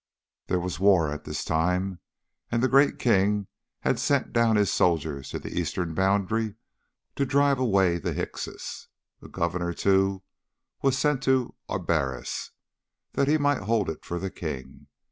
"There was war at this time, and the Great King had sent down his soldiers to the eastern boundary to drive away the Hyksos. A Governor, too, was sent to Abaris, that he might hold it for the King.